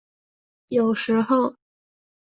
有时候。